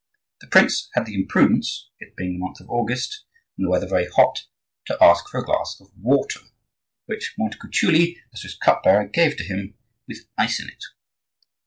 The prince had the imprudence—it being the month of August, and the weather very hot—to ask for a glass of water, which Montecuculi, as his cup bearer, gave to him, with ice in it.